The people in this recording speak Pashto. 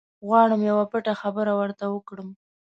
غواړم یوه پټه خبره ورته وکړم.